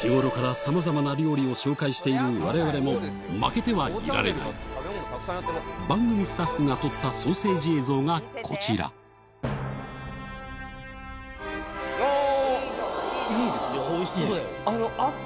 日頃からさまざまな料理を紹介しているわれわれも負けてはいられない番組スタッフが撮ったソーセージ映像がこちらいいじゃんいいじゃん。